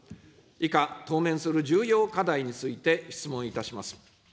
以下、当面する重要課題について質問いたします。